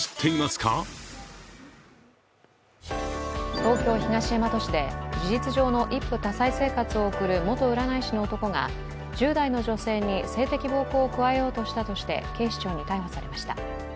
東京・東大和市で事実上の一夫多妻生活を送る元占い師の男が１０代の女性に性的暴行を加えようとしたとして警視庁に逮捕されました。